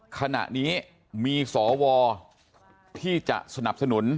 ขณะนี้มีสวที่จะสนับสนุน